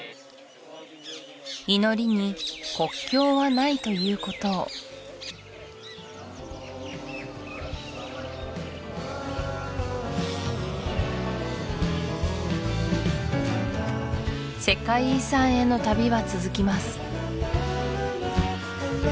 祈りに国境はないということを世界遺産への旅は続きます